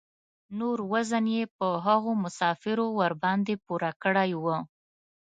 نور وزن یې په هغو مسافرو ورباندې پوره کړی و.